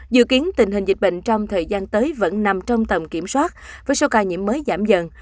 dự kiến tình hình dịch bệnh trong thời gian tới vẫn nằm trong tầm kiểm soát với số ca nhiễm mới giảm dần